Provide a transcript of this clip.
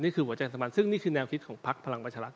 นี่คือหัวใจสัมพันธ์ซึ่งนี่คือแนวคิดของพลักษณ์พลังประชารัฐ